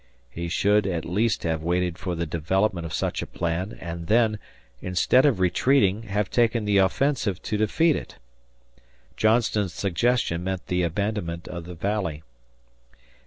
He should at least have waited for the development of such a plan and then, instead of retreating, have taken the offensive to defeat it. Johnston's suggestion meant the abandonment of the Valley.